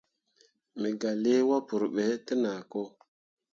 Me gah lii wapǝǝre ɓe te zah nen.